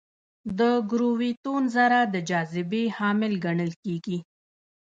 د ګرویتون ذره د جاذبې حامل ګڼل کېږي.